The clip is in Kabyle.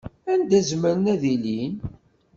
Anda zemren ad ilin?